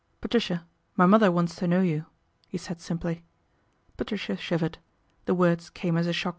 " Patricia, my mother wants to know you " h said simply. Patricia shivered. The words came as a shoe!